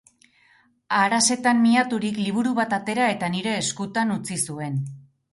Arasetan miaturik, liburu bat atera eta nire eskutan utzi zuen.